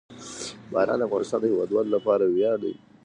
باران د افغانستان د هیوادوالو لپاره ویاړ دی.